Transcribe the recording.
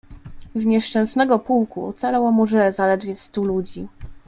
"Z nieszczęsnego pułku ocalało może zaledwie stu ludzi."